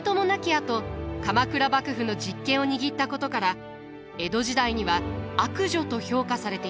あと鎌倉幕府の実権を握ったことから江戸時代には悪女と評価されていました。